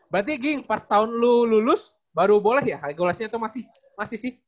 berarti ging pas tahun lu lulus baru boleh ya regulasinya itu masih sih